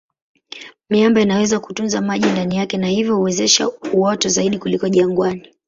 Miamba inaweza kutunza maji ndani yake na hivyo kuwezesha uoto zaidi kuliko jangwani.